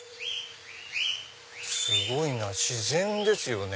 すごいな自然ですよね